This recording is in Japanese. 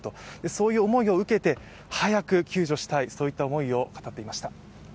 そういう思いを受けて早く救助したい、そういった思いを語っていました。